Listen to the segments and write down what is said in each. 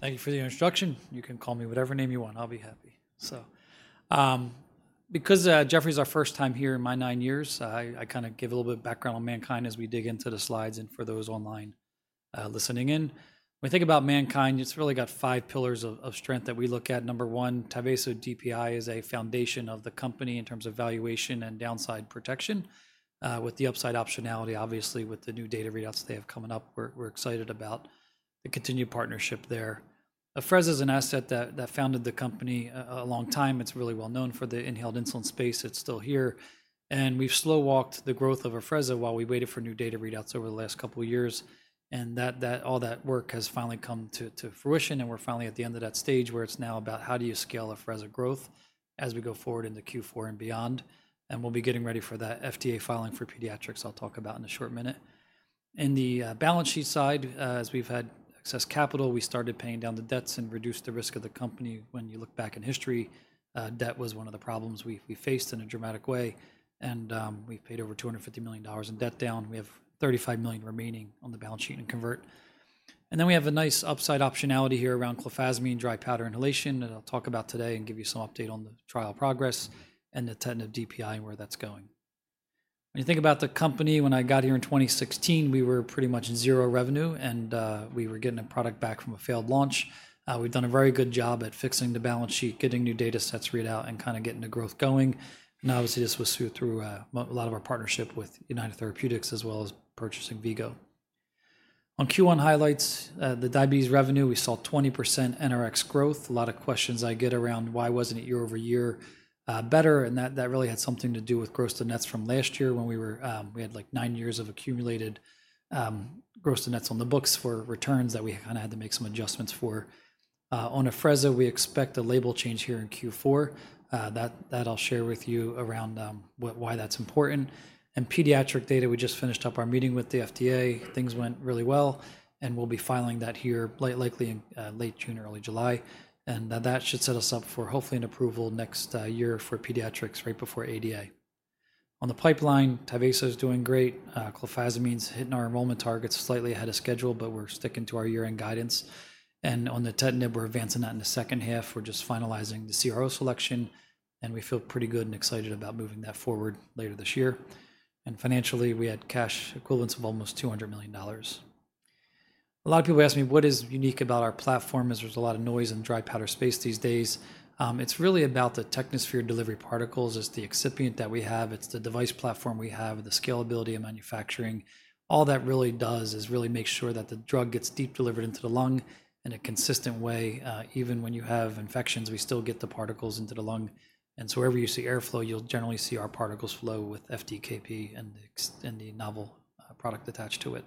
Thank you for the instruction. You can call me whatever name you want. I'll be happy. Because Jeffrey's our first time here in my nine years, I kind of give a little bit of background on MannKind as we dig into the slides. For those online, listening in, when we think about MannKind, it's really got five pillars of strength that we look at. Number one, Tyvaso DPI is a foundation of the company in terms of valuation and downside protection, with the upside optionality, obviously, with the new data readouts they have coming up. We're excited about the continued partnership there. Afrezza is an asset that founded the company a long time. It's really well known for the inhaled insulin space. It's still here. We've slow-walked the growth of Afrezza while we waited for new data readouts over the last couple of years. That, all that work has finally come to fruition. We're finally at the end of that stage where it's now about how do you scale Afrezza growth as we go forward into Q4 and beyond. We'll be getting ready for that FDA filing for pediatrics. I'll talk about that in a short minute. On the balance sheet side, as we've had excess capital, we started paying down the debts and reduced the risk of the company. When you look back in history, debt was one of the problems we faced in a dramatic way. We've paid over $250 million in debt down. We have $35 million remaining on the balance sheet and convert. We have a nice upside optionality here around Clofazimine Dry Powder Inhalation that I'll talk about today and give you some update on the trial progress and the tentative DPI and where that's going. When you think about the company, when I got here in 2016, we were pretty much zero revenue. We were getting a product back from a failed launch. We've done a very good job at fixing the balance sheet, getting new data sets read out, and kind of getting the growth going. Obviously, this was through a lot of our partnership with United Therapeutics as well as purchasing Vigo. On Q1 highlights, the diabetes revenue, we saw 20% NRX growth. A lot of questions I get around why wasn't it year over year, better. That really had something to do with gross to nets from last year when we had like nine years of accumulated gross to nets on the books for returns that we kind of had to make some adjustments for. On Afrezza, we expect a label change here in Q4. That, I'll share with you around why that's important. Pediatric data, we just finished up our meeting with the FDA. Things went really well. We'll be filing that here likely in late June, early July. That should set us up for hopefully an approval next year for pediatrics right before ADA. On the pipeline, Tyvaso's doing great. Clofazimine's hitting our enrollment targets slightly ahead of schedule, but we're sticking to our year-end guidance. On the tentative, we're advancing that in the second half. We're just finalizing the CRO selection. We feel pretty good and excited about moving that forward later this year. Financially, we had cash equivalents of almost $200 million. A lot of people ask me, what is unique about our platform as there's a lot of noise in the dry powder space these days? It's really about the Technosphere delivery particles as the excipient that we have. It's the device platform we have, the scalability of manufacturing. All that really does is really make sure that the drug gets deep delivered into the lung in a consistent way. Even when you have infections, we still get the particles into the lung. Wherever you see airflow, you'll generally see our particles flow with FDKP and the novel product attached to it.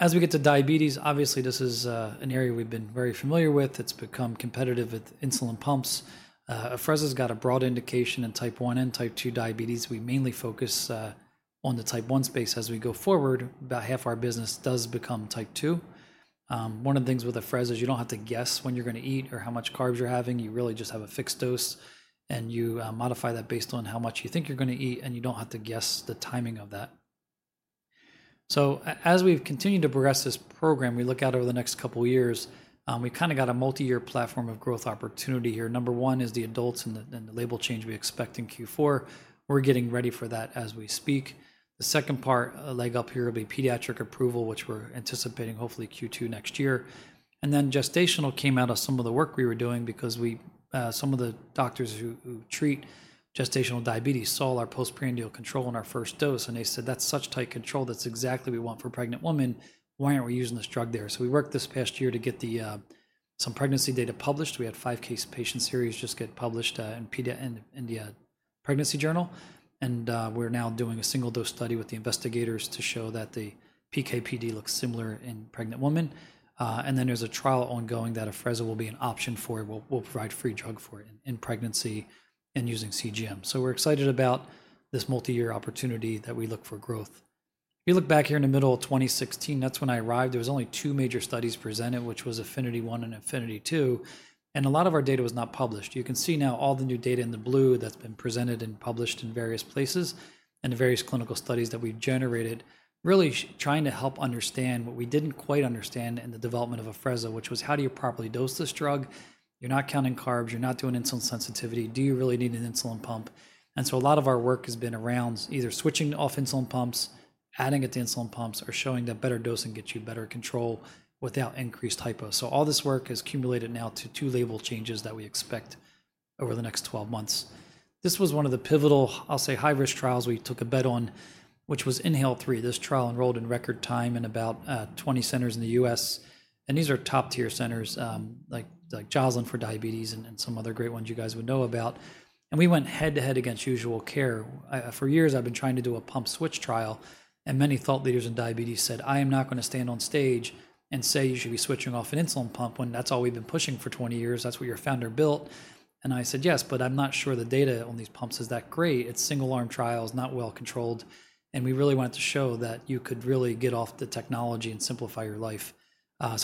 As we get to diabetes, obviously, this is an area we've been very familiar with. It's become competitive with insulin pumps. Afrezza's got a broad indication in type 1 and type 2 diabetes. We mainly focus on the type 1 space as we go forward. About half our business does become type 2. One of the things with Afrezza is you don't have to guess when you're going to eat or how much carbs you're having. You really just have a fixed dose, and you modify that based on how much you think you're going to eat. You don't have to guess the timing of that. As we've continued to progress this program, we look out over the next couple of years, we've kind of got a multi-year platform of growth opportunity here. Number one is the adults and the label change we expect in Q4. We're getting ready for that as we speak. The second part, a leg up here, will be pediatric approval, which we're anticipating hopefully Q2 next year. Then gestational came out of some of the work we were doing because we, some of the doctors who, who treat gestational diabetes saw our postprandial control in our first dose. They said, "That's such tight control. That's exactly what we want for pregnant women. Why aren't we using this drug there?" We worked this past year to get some pregnancy data published. We had five case patient series just get published, in PD in the Pregnancy Journal. We're now doing a single dose study with the investigators to show that the PKPD looks similar in pregnant women. There is a trial ongoing that Afrezza will be an option for. We'll provide free drug for it in pregnancy and using CGM. We're excited about this multi-year opportunity that we look for growth. We look back here in the middle of 2016. That's when I arrived. There were only two major studies presented, which were Affinity 1 and Affinity 2. And a lot of our data was not published. You can see now all the new data in the blue that's been presented and published in various places and the various clinical studies that we've generated, really trying to help understand what we didn't quite understand in the development of Afrezza, which was how do you properly dose this drug? You're not counting carbs. You're not doing insulin sensitivity. Do you really need an insulin pump? And so a lot of our work has been around either switching off insulin pumps, adding it to insulin pumps, or showing that better dosing gets you better control without increased hypos. All this work has cumulated now to two label changes that we expect over the next 12 months. This was one of the pivotal, I'll say, high-risk trials we took a bet on, which was INHALE- 3. This trial enrolled in record time in about 20 centers in the U.S. These are top-tier centers, like Joslin for diabetes and some other great ones you guys would know about. We went head-to-head against usual care. For years, I've been trying to do a pump switch trial. Many thought leaders in diabetes said, "I am not going to stand on stage and say you should be switching off an insulin pump when that's all we've been pushing for 20 years. That's what your founder built." I said, "Yes, but I'm not sure the data on these pumps is that great. It's single-arm trials, not well-controlled. We really wanted to show that you could really get off the technology and simplify your life.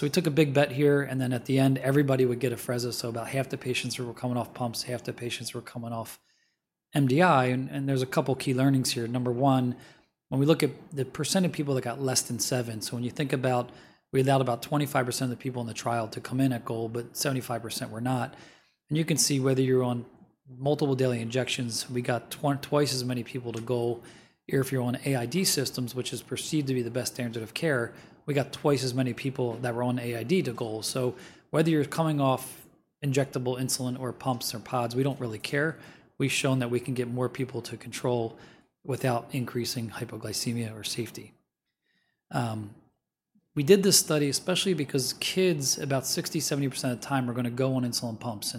We took a big bet here. At the end, everybody would get Afrezza. About half the patients were coming off pumps, half the patients were coming off MDI. There are a couple of key learnings here. Number one, when we look at the percent of people that got less than seven. When you think about it, we allowed about 25% of the people in the trial to come in at goal, but 75% were not. You can see whether you're on multiple daily injections, we got twice as many people to goal. If you're on AID systems, which is perceived to be the best standard of care, we got twice as many people that were on AID to goal. Whether you're coming off injectable insulin or pumps or pods, we don't really care. We've shown that we can get more people to control without increasing hypoglycemia or safety. We did this study especially because kids, about 60%-70% of the time, are going to go on insulin pumps.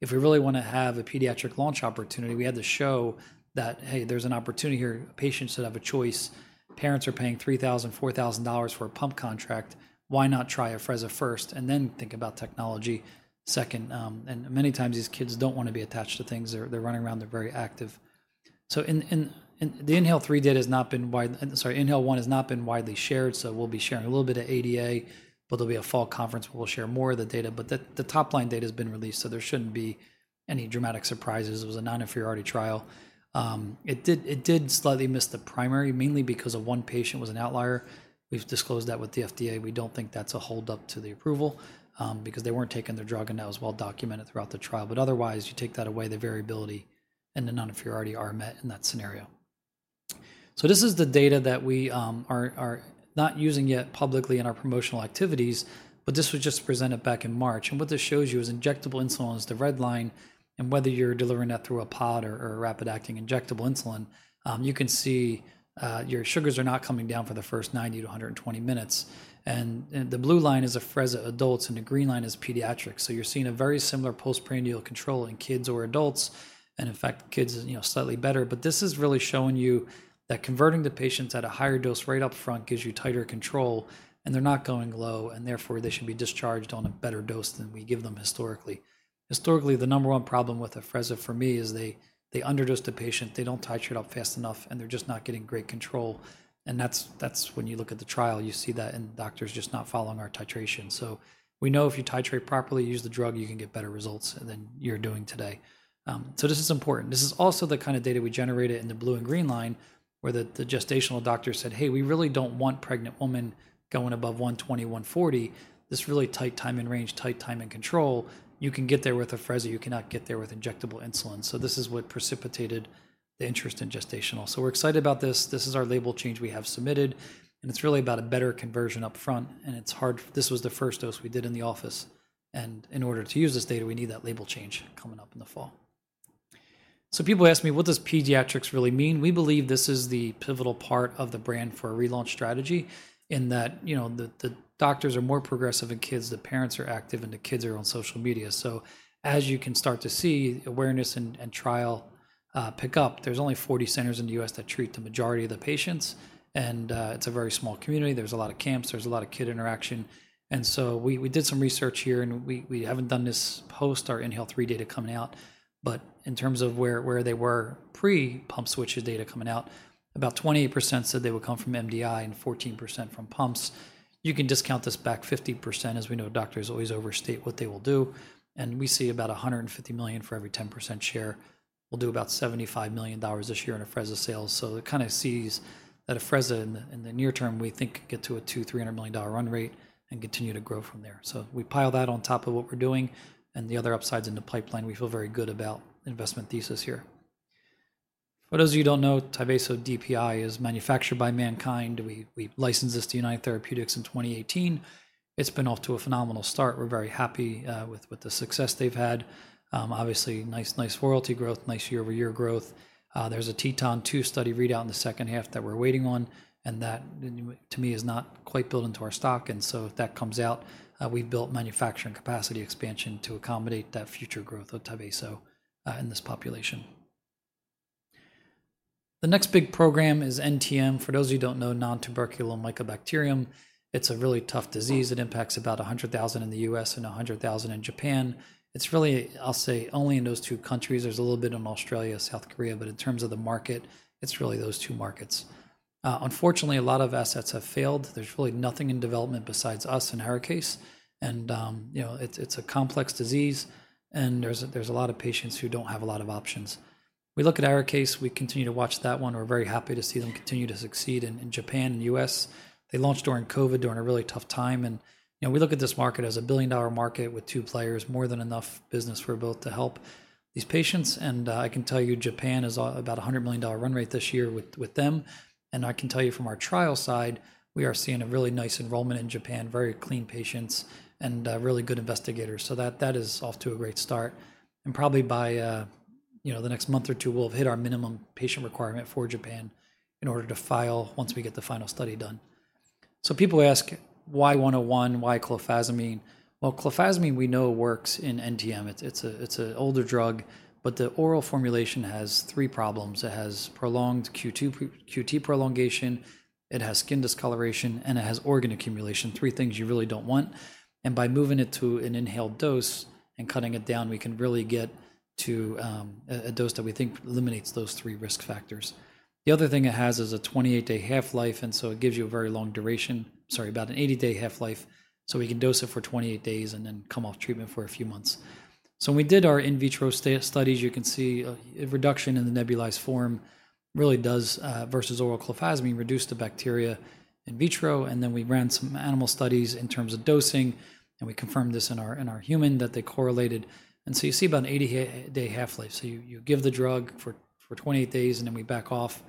If we really want to have a pediatric launch opportunity, we had to show that, hey, there's an opportunity here. Patients should have a choice. Parents are paying $3,000-$4,000 for a pump contract. Why not try Afrezza first and then think about technology second? Many times these kids don't want to be attached to things. They're running around. They're very active. In the INHALE-3 data has not been wide, sorry, INHALE-1 has not been widely shared. We'll be sharing a little bit at ADA, but there'll be a fall conference where we'll share more of the data. The top-line data has been released, so there shouldn't be any dramatic surprises. It was a non-inferiority trial. It did slightly miss the primary, mainly because one patient was an outlier. We've disclosed that with the FDA. We don't think that's a hold-up to the approval, because they weren't taking their drug, and that was well-documented throughout the trial. Otherwise, you take that away, the variability and the non-inferiority are met in that scenario. This is the data that we are not using yet publicly in our promotional activities, but this was just presented back in March. What this shows you is injectable insulin is the red line. Whether you're delivering that through a pod or rapid-acting injectable insulin, you can see your sugars are not coming down for the first 90 - 120 minutes. The blue line is Afrezza adults, and the green line is pediatrics. You are seeing a very similar postprandial control in kids or adults. In fact, kids are, you know, slightly better. This is really showing you that converting the patients at a higher dose right up front gives you tighter control. They are not going low, and therefore they should be discharged on a better dose than we give them historically. Historically, the number one problem with Afrezza for me is they underdose the patient. They do not titrate up fast enough, and they are just not getting great control. That's, that's when you look at the trial, you see that in doctors just not following our titration. We know if you titrate properly, use the drug, you can get better results than you're doing today. This is important. This is also the kind of data we generated in the blue and green line where the gestational doctor said, "Hey, we really do not want pregnant women going above 120, 140. This really tight time and range, tight time and control. You can get there with Afrezza. You cannot get there with injectable insulin." This is what precipitated the interest in gestational. We're excited about this. This is our label change we have submitted. It's really about a better conversion up front. It's hard. This was the first dose we did in the office. In order to use this data, we need that label change coming up in the fall. People ask me, what does pediatrics really mean? We believe this is the pivotal part of the brand for a relaunch strategy in that, you know, the doctors are more progressive in kids, the parents are active, and the kids are on social media. As you can start to see, awareness and trial pick up. There are only 40 centers in the U.S. that treat the majority of the patients. It is a very small community. There are a lot of camps. There is a lot of kid interaction. We did some research here, and we have not done this post our INHALE-3 data coming out. In terms of where, where they were pre-pump switch data coming out, about 28% said they would come from MDI and 14% from pumps. You can discount this back 50%. As we know, doctors always overstate what they will do. We see about $150 million for every 10% share. We'll do about $75 million this year in Afrezza sales. It kind of sees that Afrezza in the near term, we think get to a $200-$300 million run rate and continue to grow from there. We pile that on top of what we're doing and the other upsides in the pipeline. We feel very good about investment thesis here. For those of you who don't know, Tyvaso DPI is manufactured by MannKind. We licensed this to United Therapeutics in 2018. It's been off to a phenomenal start. We're very happy with the success they've had. Obviously, nice royalty growth, nice year-over-year growth. There's a Teton 2 study readout in the second half that we're waiting on. That, to me, is not quite built into our stock. If that comes out, we've built manufacturing capacity expansion to accommodate that future growth of Tyvaso in this population. The next big program is NTM. For those of you who don't know, Nontuberculous Mycobacteria, it's a really tough disease. It impacts about 100,000 in the U.S. and 100,000 in Japan. It's really, I'll say, only in those two countries. There's a little bit in Australia, South Korea. In terms of the market, it's really those two markets. Unfortunately, a lot of assets have failed. There's really nothing in development besides us and Arikayce. You know, it's a complex disease. There's a lot of patients who don't have a lot of options. We look at Arikayce. We continue to watch that one. We're very happy to see them continue to succeed in Japan and the U.S. They launched during COVID, during a really tough time. You know, we look at this market as a billion-dollar market with two players, more than enough business for both to help these patients. I can tell you Japan is about a $100 million run rate this year with them. I can tell you from our trial side, we are seeing a really nice enrollment in Japan, very clean patients, and really good investigators. That is off to a great start. Probably by the next month or two, we'll have hit our minimum patient requirement for Japan in order to file once we get the final study done. People ask, why 101? Why Clofazimine? Clofazimine we know works in NTM. It's an older drug, but the oral formulation has three problems. It has QT prolongation. It has skin discoloration, and it has organ accumulation, three things you really don't want. By moving it to an inhaled dose and cutting it down, we can really get to a dose that we think eliminates those three risk factors. The other thing it has is a 28-day half-life. Sorry, about an 80-day half-life. We can dose it for 28 days and then come off treatment for a few months. When we did our in vitro studies, you can see a reduction in the nebulized form really does, versus oral clofazimine, reduce the bacteria in vitro. Then we ran some animal studies in terms of dosing. We confirmed this in our human that they correlated. You see about an 80-day half-life. You give the drug for 28 days, and then we back off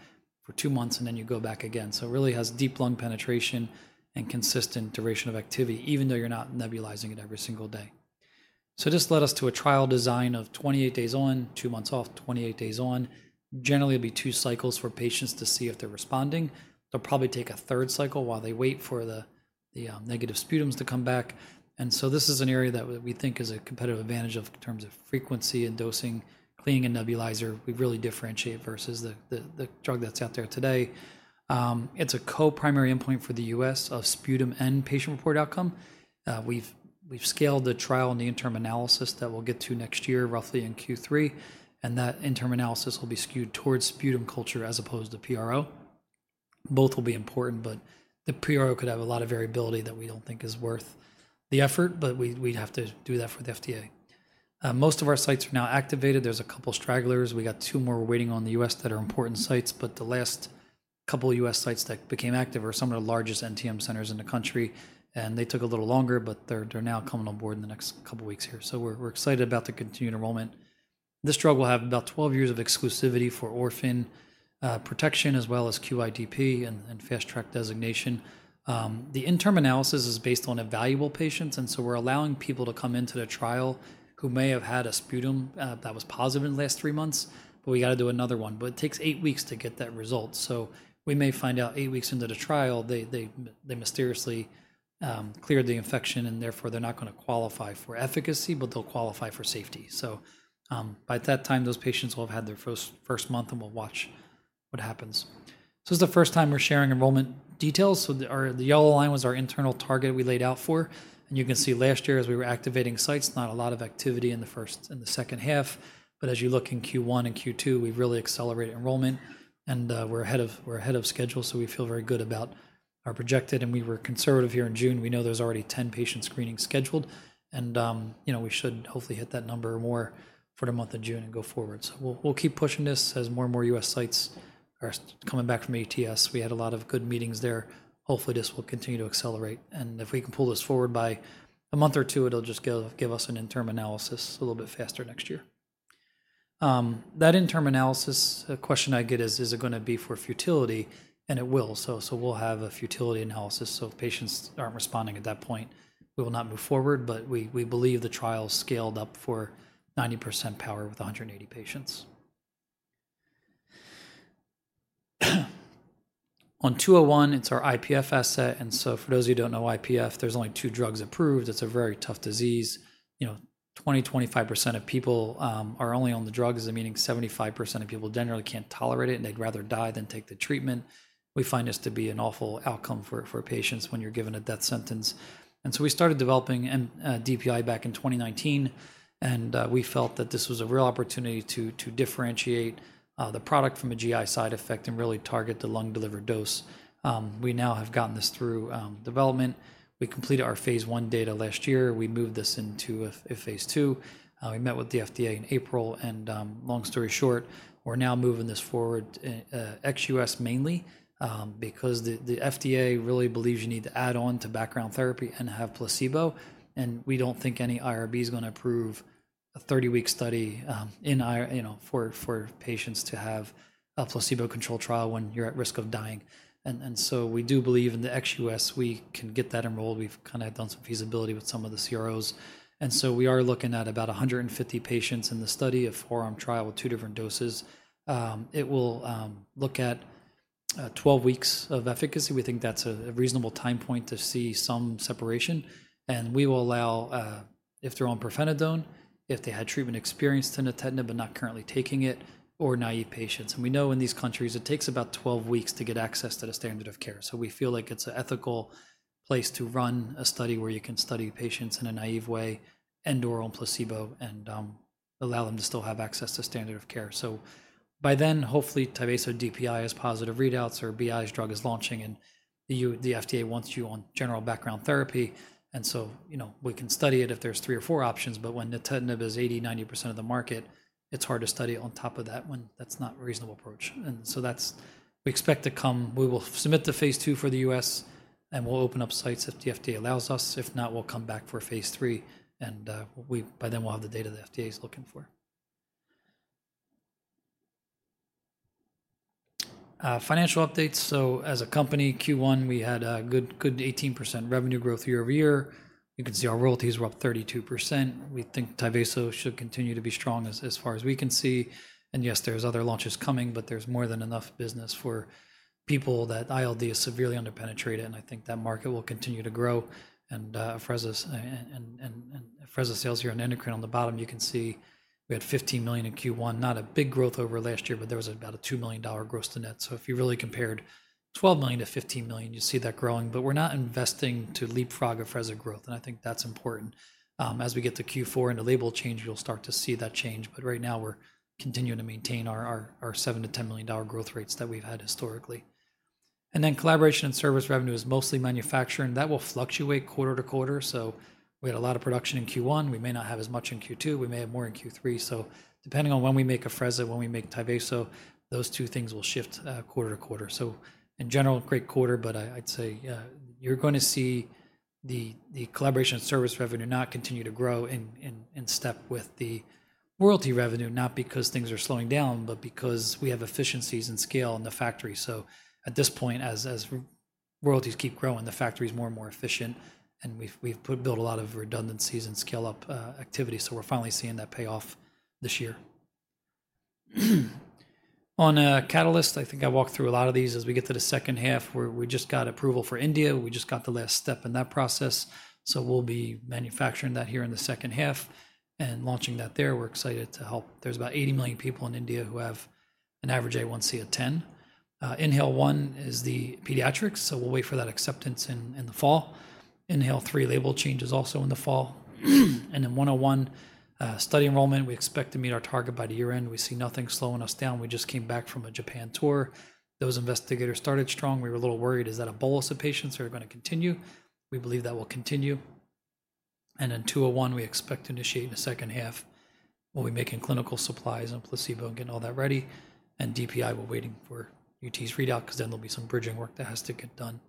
for two months, and then you go back again. It really has deep lung penetration and consistent duration of activity, even though you're not nebulizing it every single day. This led us to a trial design of 28 days on, two months off, 28 days on. Generally, it'll be two cycles for patients to see if they're responding. They'll probably take a third cycle while they wait for the negative sputums to come back. This is an area that we think is a competitive advantage in terms of frequency and dosing, cleaning and nebulizer. We really differentiate versus the drug that's out there today. It's a co-primary endpoint for the U.S. of sputum and patient report outcome. We've scaled the trial and the interim analysis that we'll get to next year, roughly in Q3. That interim analysis will be skewed towards sputum culture as opposed to PRO. Both will be important, but the PRO could have a lot of variability that we don't think is worth the effort, but we'd have to do that for the FDA. Most of our sites are now activated. There's a couple of stragglers. We got two more waiting on the U.S. that are important sites. The last couple of U.S. sites that became active are some of the largest NTM centers in the country. They took a little longer, but they're now coming on board in the next couple of weeks here. We're excited about the continued enrollment. This drug will have about 12 years of exclusivity for orphan protection as well as QIDP and fast-track designation. The interim analysis is based on evaluable patients. We're allowing people to come into the trial who may have had a sputum that was positive in the last three months, but we have to do another one. It takes eight weeks to get that result. We may find out eight weeks into the trial they mysteriously cleared the infection, and therefore they're not going to qualify for efficacy, but they'll qualify for safety. By that time, those patients will have had their first, first month, and we'll watch what happens. This is the first time we're sharing enrollment details. The yellow line was our internal target we laid out for. You can see last year as we were activating sites, not a lot of activity in the first, in the second half. As you look in Q1 and Q2, we've really accelerated enrollment, and we're ahead of schedule. We feel very good about our projected. We were conservative here in June. We know there's already 10 patient screenings scheduled, and, you know, we should hopefully hit that number more for the month of June and go forward. We'll keep pushing this as more and more U.S. sites are coming back from ATS. We had a lot of good meetings there. Hopefully, this will continue to accelerate. If we can pull this forward by a month or two, it'll just give us an interim analysis a little bit faster next year. That interim analysis, a question I get is, is it going to be for futility? It will. We'll have a futility analysis. If patients aren't responding at that point, we will not move forward. We believe the trial scaled up for 90% power with 180 patients. On 201, it's our IPF asset. For those who don't know IPF, there's only two drugs approved. It's a very tough disease. You know, 20-25% of people are only on the drugs, meaning 75% of people generally can't tolerate it, and they'd rather die than take the treatment. We find this to be an awful outcome for patients when you're given a death sentence. We started developing a DPI back in 2019, and we felt that this was a real opportunity to differentiate the product from a GI side effect and really target the lung-delivered dose. We now have gotten this through development. We completed our phase one data last year. We moved this into a phase two. We met with the FDA in April. Long story short, we're now moving this forward in ex-U.S. mainly, because the FDA really believes you need to add on to background therapy and have placebo. We do not think any IRB is going to approve a 30-week study in IR, you know, for patients to have a placebo-controlled trial when you're at risk of dying. We do believe in the ex-U.S., we can get that enrolled. We've kind of done some feasibility with some of the CROs. We are looking at about 150 patients in the study, a four-arm trial with two different doses. It will look at 12 weeks of efficacy. We think that's a reasonable time point to see some separation. We will allow, if they're on Pirfenidone, if they had treatment experience to Nintedanib, but not currently taking it, or naive patients. We know in these countries, it takes about 12 weeks to get access to the standard of care. We feel like it's an ethical place to run a study where you can study patients in a naive way and/or on placebo and allow them to still have access to standard of care. By then, hopefully, Tyvaso's DPI has positive readouts or BI's drug is launching, and the, you, the FDA wants you on general background therapy. You know, we can study it if there's three or four options. When Nintedanib is 80-90% of the market, it's hard to study on top of that when that's not a reasonable approach. We expect to come, we will submit the phase two for the U.S., and we'll open up sites if the FDA allows us. If not, we'll come back for phase three. We, by then, will have the data the FDA is looking for. Financial updates. As a company, Q1, we had a good 18% revenue growth year over year. You can see our royalties were up 32%. We think Tyvaso should continue to be strong as far as we can see. Yes, there's other launches coming, but there's more than enough business for people that ILD is severely under penetrated. I think that market will continue to grow. Afrezza sales here on endocrine on the bottom, you can see we had $15 million in Q1, not a big growth over last year, but there was about a $2 million gross to net. If you really compared $12 million to $15 million, you see that growing. We're not investing to leapfrog Afrezza growth. I think that's important. As we get to Q4 and the label change, you'll start to see that change. Right now, we're continuing to maintain our $7-$10 million growth rates that we've had historically. Collaboration and service revenue is mostly manufacturing. That will fluctuate quarter to quarter. We had a lot of production in Q1. We may not have as much in Q2. We may have more in Q3. Depending on when we make Afrezza, when we make Tyvaso, those two things will shift quarter to quarter. In general, great quarter. I'd say you're going to see the collaboration and service revenue not continue to grow in step with the royalty revenue, not because things are slowing down, but because we have efficiencies and scale in the factory. At this point, as royalties keep growing, the factory is more and more efficient. We've built a lot of redundancies and scale-up activity. We're finally seeing that payoff this year. On Catalyst, I think I walked through a lot of these as we get to the second half, where we just got approval for India. We just got the last step in that process. We'll be manufacturing that here in the second half and launching that there. We're excited to help. There's about 80 million people in India who have an average A1C of 10. INHALE-1 is the pediatrics. We'll wait for that acceptance in, in the fall. INHALE-3 label changes also in the fall. In 101, study enrollment, we expect to meet our target by the year end. We see nothing slowing us down. We just came back from a Japan tour. Those investigators started strong. We were a little worried. Is that a bolus of patients or are we going to continue? We believe that will continue. In 201, we expect to initiate in the second half. We'll be making clinical supplies and placebo and getting all that ready. DPI, we're waiting for UT's readout because then there'll be some bridging work that has to get done.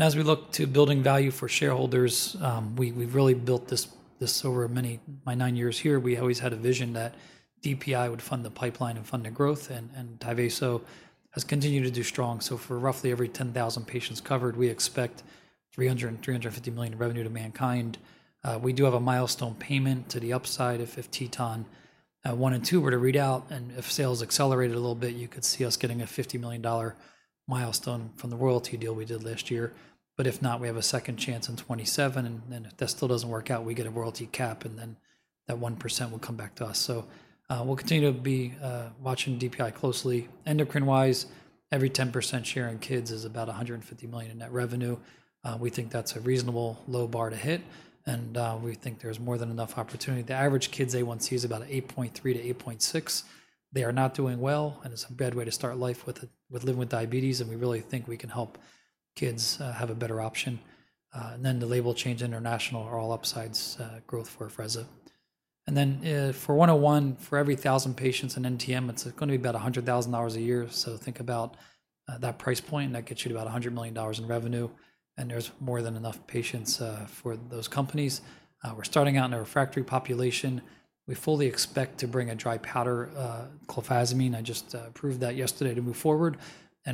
As we look to building value for shareholders, we've really built this over many, my nine years here. We always had a vision that DPI would fund the pipeline and fund the growth. Tyvaso has continued to do strong. For roughly every 10,000 patients covered, we expect $300 million-$350 million revenue to MannKind. We do have a milestone payment to the upside if Teton one and two were to read out. If sales accelerated a little bit, you could see us getting a $50 million milestone from the royalty deal we did last year. If not, we have a second chance in 2027. If that still does not work out, we get a royalty cap, and then that 1% will come back to us. We will continue to be watching DPI closely. Endocrine-wise, every 10% share in kids is about $150 million in net revenue. We think that is a reasonable low bar to hit. We think there is more than enough opportunity. The average kids' A1C is about 8.3-8.6. They are not doing well. It is a bad way to start life with living with diabetes. We really think we can help kids have a better option. The label change international are all upsides, growth for Afrezza. For 101, for every 1,000 patients in NTM, it is going to be about $100,000 a year. Think about that price point. That gets you to about $100 million in revenue. There is more than enough patients for those companies. We are starting out in a refractory population. We fully expect to bring a dry powder clofazimine. I just approved that yesterday to move forward.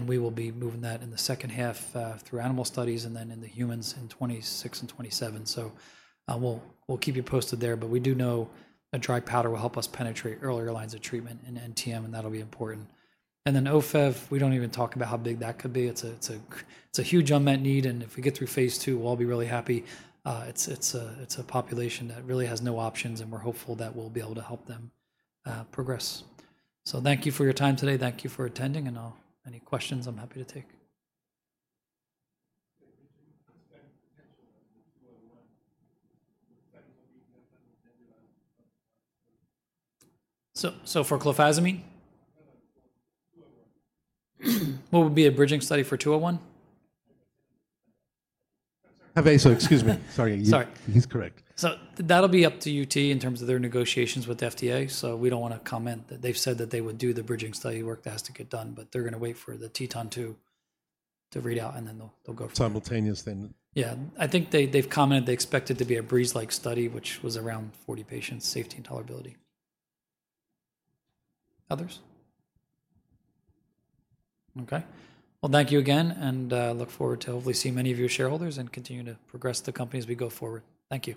We will be moving that in the second half, through animal studies and then in the humans in 2026 and 2027. We will keep you posted there. We do know a dry powder will help us penetrate earlier lines of treatment in NTM. That will be important. OFEV, we do not even talk about how big that could be. It is a huge unmet need. If we get through phase two, we will all be really happy. It is a population that really has no options. We are hopeful that we will be able to help them progress. Thank you for your time today. Thank you for attending. I'll, any questions, I'm happy to take. For Clofazimine, what would be a bridging study for 201? Okay. Excuse me. Sorry. Sorry. He's correct. That'll be up to UT in terms of their negotiations with the FDA. We don't want to comment that they've said that they would do the bridging study work that has to get done, but they're going to wait for the Teton to read out, and then they'll go. Simultaneous then. Yeah. I think they've commented they expect it to be a breeze-like study, which was around 40 patients, safety and tolerability. Others? Thank you again. I look forward to hopefully seeing many of your shareholders and continue to progress the company as we go forward. Thank you.